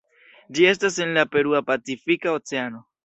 Ĝi estas en la Perua Pacifika Oceano.